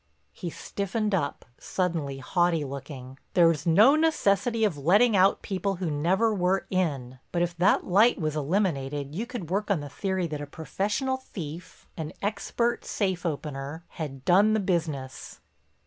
He stiffened up, suddenly haughty looking. "There's no necessity of letting out people who never were in. But if that light was eliminated you could work on the theory that a professional thief—an expert safe opener—had done the business."